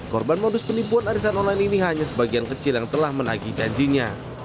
korban modus penipuan arisan online ini hanya sebagian kecil yang telah menagih janjinya